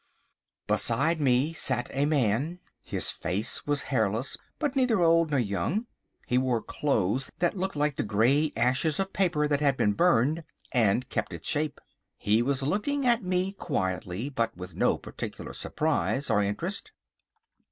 Beside me sat a man. His face was hairless, but neither old nor young. He wore clothes that looked like the grey ashes of paper that had burned and kept its shape. He was looking at me quietly, but with no particular surprise or interest.